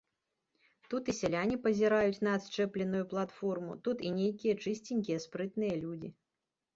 Тут і сяляне пазіраюць на адчэпленую платформу, тут і нейкія чысценькія спрытныя людзі.